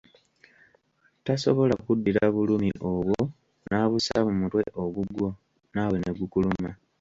Tasobola kuddira bulumi obwo n'abussa mu mutwe ogugwo, naawe ne gukuluma.